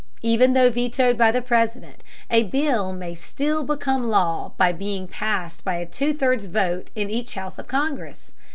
Even though vetoed by the President, a bill may still become law by being passed by a two thirds vote in each house of Congress.